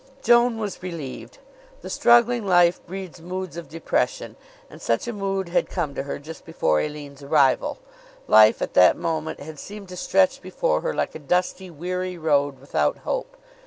Joan was relieved. The struggling life breeds moods of depression, and such a mood had come to her just before Aline's arrival. Life, at that moment, had seemed to stretch before her like a dusty, weary road, without hope.